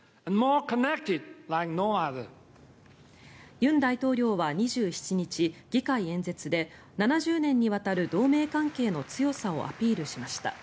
尹大統領は２７日議会演説で７０年にわたる同盟関係の強さをアピールしました。